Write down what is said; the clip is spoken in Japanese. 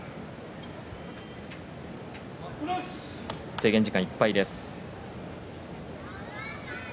制限時間いっぱいです。